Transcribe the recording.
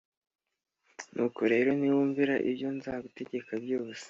Nuko rero niwumvira ibyo nzagutegeka byose